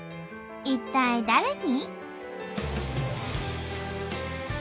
一体誰に？